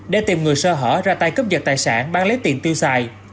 để tìm người sơ hở ra tay cướp giật tài sản bán lấy tiền tiêu xài